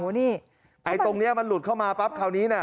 นี่ไอ้ตรงนี้มันหลุดเข้ามาปั๊บคราวนี้น่ะ